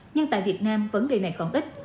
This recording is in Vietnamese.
nhưng tại việt nam vấn đề này còn ít